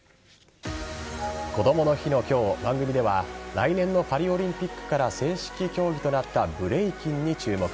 こどもの日の今日、番組では来年のパリオリンピックから正式競技となったブレイキンに注目。